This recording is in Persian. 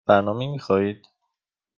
برنامه می خواهید؟